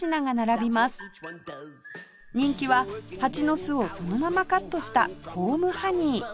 人気はハチの巣をそのままカットしたコームハニー